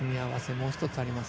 もう１つあります。